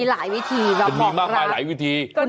มีหลายวิธีแบบบอกรักมีมากมายหลายวิธีต้นหรอก